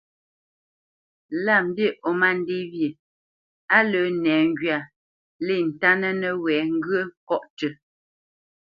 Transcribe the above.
Lâ mbî ó má ndê wyê, á lə́ nɛŋgywa lê ntánə́ nəwɛ̌ ŋgyə̂ ŋkɔ̌ tʉ́,